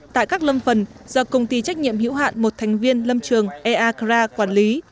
tại các lâm phần do công ty trách nhiệm hiểu hạn một thành viên lâm trường eakra quản lý